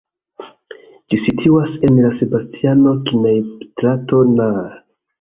Ĝi situas en la Sebastiano-Kneipp-strato nr.